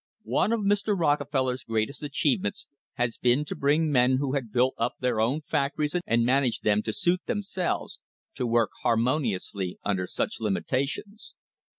One of Mr. Rockefeller's greatest achievements has been to bring men who had built up their own factories and man aged them to suit themselves to work harmoniously under such limitations.